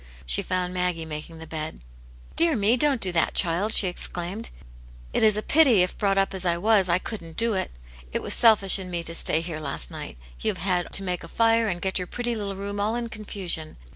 She found Maggie making the bed. " Dear me, don't do that, child !" she exclaimed. " It is a pity, if brought up as I was, I couldn't do it. It was selfish in me to stay here last night ; you've had to make a fire, and get your pretty little room all in confusion.